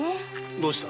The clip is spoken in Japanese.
どうした？